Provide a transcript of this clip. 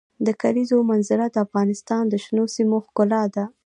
د کلیزو منظره د افغانستان د شنو سیمو ښکلا ده.